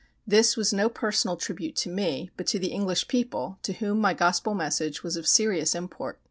This was no personal tribute to me, but to the English people, to whom my Gospel message was of serious import.